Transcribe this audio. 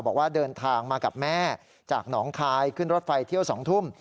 บอกว่าเดินทางมากับแม่จากหนองคายขึ้นรถไฟเที่ยว๒ทุ่ม